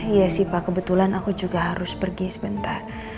iya sih pak kebetulan aku juga harus pergi sebentar